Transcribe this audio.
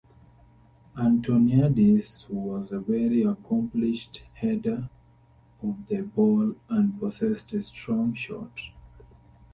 Antoniadis was a very accomplished header of the ball and possessed a strong shot.